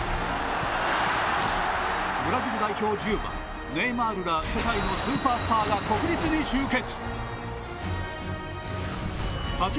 ブラジル代表１０番ネイマールら世界のスーパースターが国立に集結！